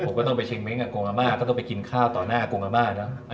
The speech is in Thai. ผมก็ต้องไปเช็งเม้งค์กับกวงอำมาตย์ก็ต้องไปกินข้าวต่อหน้ากวงอำมาตย์นะ